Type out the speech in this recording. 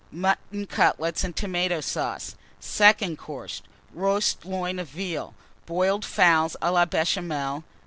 Mutton Cutlets and Tomato Sauce. SECOND COURSE. Roast Loin of Veal. Boiled Fowls à la Béchamel.